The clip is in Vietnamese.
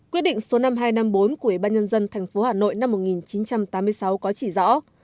quyết định số năm nghìn hai trăm năm mươi bốn của ủy ban nhân dân tp hà nội năm một nghìn chín trăm tám mươi sáu có chỉ rõ